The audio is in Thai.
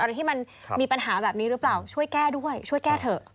ที่มันมีปัญหาแบบนี้หรือเปล่าช่วยแก้ด้วยช่วยแก้เถอะ